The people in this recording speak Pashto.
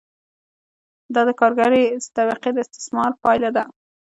دا د کارګرې طبقې د استثمار پایله ده